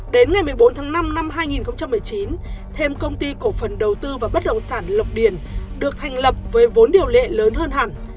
đến ngày một mươi bốn tháng năm năm hai nghìn một mươi chín thêm công ty cổ phần đầu tư và bất động sản lộc điền được thành lập với vốn điều lệ lớn hơn hẳn